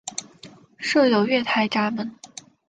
设有月台闸门。